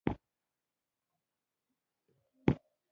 د دې پلچکونو چت له سیخ لرونکي کانکریټو جوړیږي